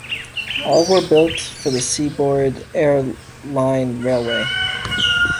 All were built for the Seaboard Air Line Railway.